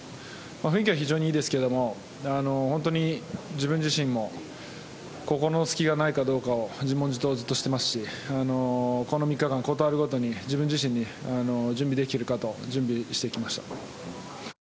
雰囲気は非常にいいですけど本当に自分自身も心の隙がないかどうかを自問自答をずっとしていますしこの３日間、事あるごとに自分に準備できているか？と準備してきました。